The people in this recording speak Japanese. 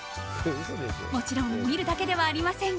もちろん見るだけではありません。